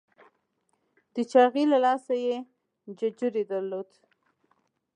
د چاغي له لاسه یې ججوری درلود.